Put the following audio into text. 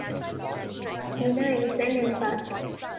Tina is an empath.